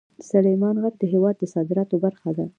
سلیمان غر د هېواد د صادراتو برخه ده.